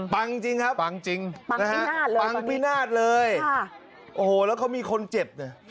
จริงครับปังจริงนะฮะปังพินาศเลยโอ้โหแล้วเขามีคนเจ็บเนี่ย